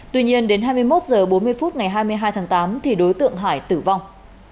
tuy nhiên đến hai mươi một h bốn mươi phút ngày hai mươi hai tháng tám thì đối tượng hải tử vong